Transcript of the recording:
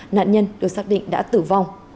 nạn nhân được xác định đã tử vong